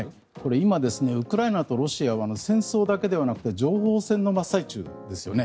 今、ウクライナとロシアは戦争だけではなくて情報戦の真っ最中ですよね。